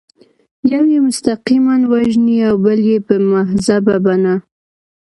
یو یې مستقیماً وژني او بل یې په مهذبه بڼه.